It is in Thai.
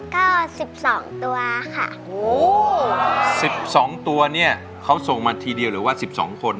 ก็สิบสองตัวค่ะสิบสองตัวเนี่ยเขาส่งมาทีเดียวหรือว่าสิบสองคน